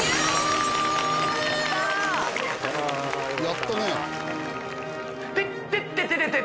やったね。